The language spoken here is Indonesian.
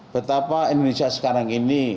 betapa indonesia sekarang ini